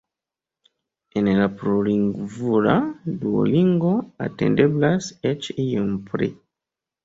En la plurlingvula Duolingo atendeblas eĉ iom pli.